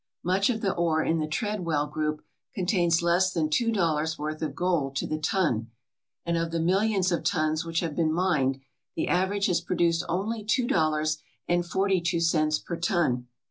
Much of the ore in the Treadwell group contains less than two dollars' worth of gold to the ton, and of the millions of tons which have been mined the average has produced only two dollars and forty two cents per ton.